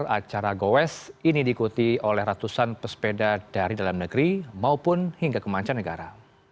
acara gowes ini diikuti oleh ratusan pesepeda dari dalam negeri maupun hingga kemanca negara